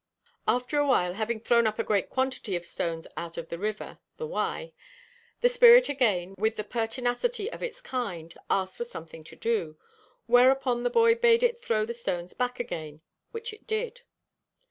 After a while, having thrown up a great quantity of stones out of the river, (the Wye,) the spirit again, with the pertinacity of its kind, asked for something to do; whereupon the boy bade it throw the stones back again, which it did.